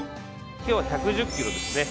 今日は１１０キロですね。